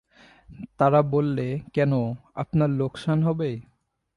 তারা বললে, কেন, আপনার লোকসান হবে?